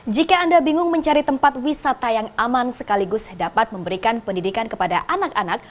jika anda bingung mencari tempat wisata yang aman sekaligus dapat memberikan pendidikan kepada anak anak